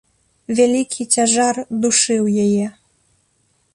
Вялікі цяжар душыў яе.